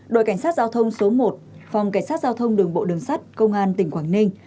đội cảnh sát giao thông số một phòng cảnh sát giao thông đường bộ đường sắt công an tỉnh quảng ninh